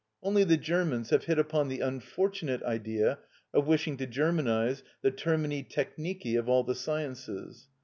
Only the Germans have hit upon the unfortunate idea of wishing to Germanise the termini technici of all the sciences.